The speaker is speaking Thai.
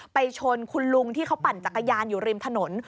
ไปชนคุณลุงที่เขาปั่นจักรยานอยู่ริมถนน